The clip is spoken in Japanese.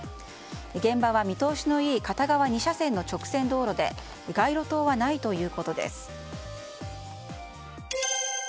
現場は見通しのいい片側２車線の直線道路で街路灯はないということです。